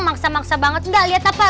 maksa maksa banget gak liat apa